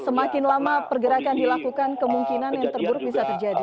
semakin lama pergerakan dilakukan kemungkinan yang terburuk bisa terjadi